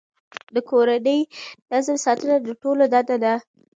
د کورني نظم ساتنه د ټولو دنده ده.